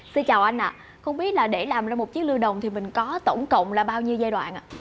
xin chào anh ạ không biết là để làm ra một chiếc lưu đồng thì mình có tổng cộng là bao nhiêu giai đoạn ạ